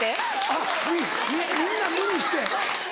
あっみんな無理して。